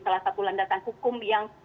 salah satu landasan hukum yang